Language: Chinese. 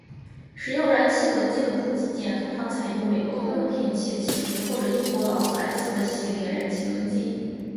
使用燃气轮机的补给舰通常采用美国通用电气的系列或英国劳斯莱斯的系列燃气轮机。